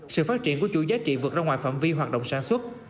sự phát triển của chủ giá trị vượt ra ngoài phạm vi hoạt động sản xuất